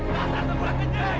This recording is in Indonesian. gasar sebulan kecil